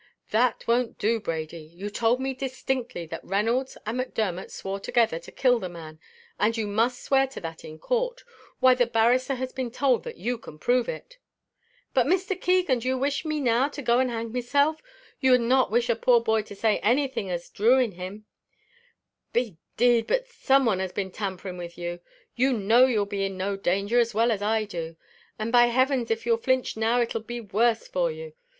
"That won't do, Brady; you told me distinctly that Reynolds and Macdermot swore together to kill the man; and you must swear to that in court. Why the barrister has been told that you can prove it." "But, Mr. Keegan, do you wish me now to go and hang myself? You would not wish a poor boy to say anything as'd ruin hisself?" "Be d d, but some one has been tampering with you. You know you'll be in no danger, as well as I do; and by heavens if you flinch now it'll be worse for you.